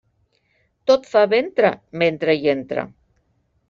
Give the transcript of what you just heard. Tot fa ventre, mentre hi entre.